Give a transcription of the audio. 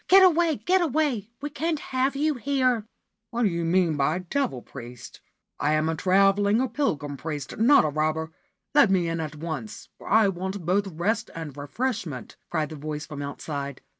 ' Get away, get away ! We can't have you here/ ' What do you mean by c< Devil Priest "? I am a travelling or pilgrim priest, not a robber. Let me in at once, for I want both rest and refreshment/ cried the voice from outside.